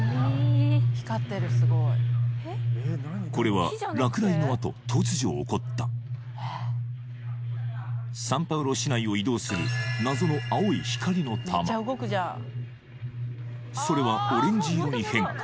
これは落雷のあと突如起こったサンパウロ市内を移動するそれはオレンジ色に変化